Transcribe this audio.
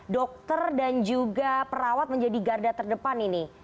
dokter dan juga perawat menjadi garda terdepan ini